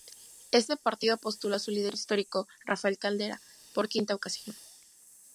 Este partido postuló a su líder histórico, Rafael Caldera, por quinta ocasión.